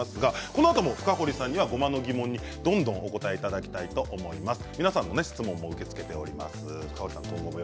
このあとも深堀さんにごまの疑問に答えていただきたいと思います。